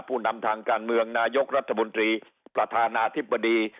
ผู้นำทางการเมืองนายกรัฐมนตรีประธานาธิบดี